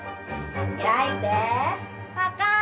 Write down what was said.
開いてパカン！